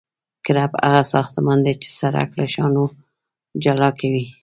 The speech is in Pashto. کرب هغه ساختمان دی چې سرک له شانو جلا کوي